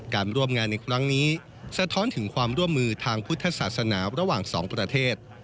การร่วมงานในครั้งนี้สะท้อนถึงความร่วมมือทางพุทธศาสนาระหว่างสองประเทศ